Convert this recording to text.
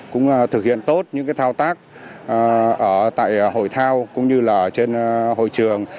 cũng thực hiện tốt những thao tác tại hội thao cũng như trên hội trường